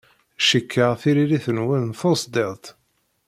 Cikkeɣ tiririt-nwen d tusdidt.